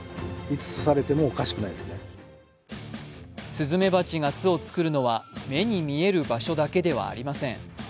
スズメバチが巣を作るのは目に見える場所だけではありません。